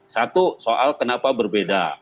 satu soal kenapa berbeda